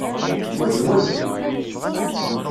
Wali wali!